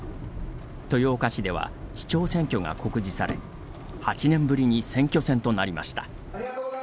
豊岡市では市長選挙が告示され８年ぶりに選挙戦となりました。